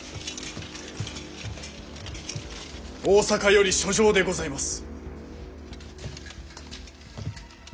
大坂より書状でございます。